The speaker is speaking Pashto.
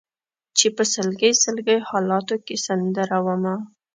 چې په سلګۍ سلګۍ حالاتو کې سندره ومه